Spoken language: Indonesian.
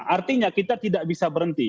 artinya kita tidak bisa berhenti